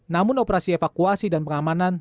namun operasi evakuasi dan pengamanan